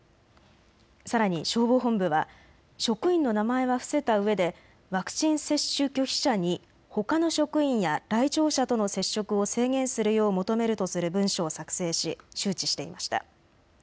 さらに消防本部は職員の名前は伏せたうえでワクチン接種拒否者にほかの職員や来庁者との接触を制限するよう求めるとする文書を作成し周知していました。